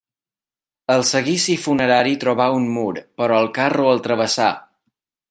El seguici funerari trobà un mur, però el carro el travessà.